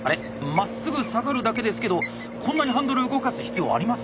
まっすぐ下がるだけですけどこんなにハンドル動かす必要あります？